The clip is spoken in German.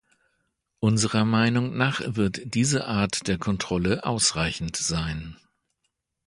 Unserer Meinung nach wird diese Art der Kontrolle ausreichend sein.